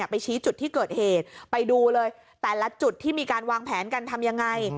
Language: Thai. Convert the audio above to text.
ไปชี้จุดที่เกิดเหตุไปดูเลยแต่ละจุดที่มีการวางแผนกันทำยังไง